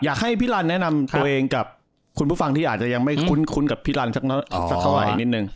อยากให้พี่ลันแนะนำตัวเองกับคุณผู้ฟังที่อาจจะยังไม่คุ้นกับพี่ลันสักเท่าไหร่นิดนึง